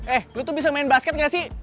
eh lu tuh bisa main basket gak sih